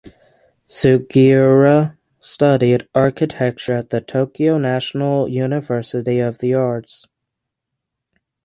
Sugiura studied architecture at the Tokyo National University of the Arts.